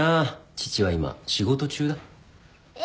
父は今仕事中だ。え！